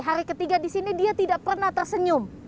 hari ketiga di sini dia tidak pernah tersenyum